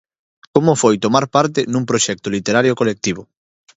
Como foi tomar parte nun proxecto literario colectivo?